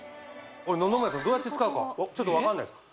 野々村さんどうやって使うかちょっと分かんないすか？